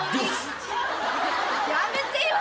やめてよ！